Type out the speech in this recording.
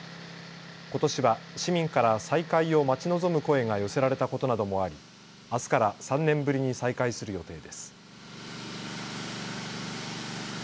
ことしは市民から再開を待ち望む声が寄せられたことなどもありあすから３年ぶりに再開する予定です。